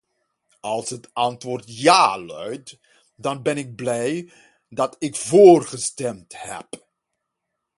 Als het antwoord ja luidt, dan ben ik blij dat ik voorgestemd heb.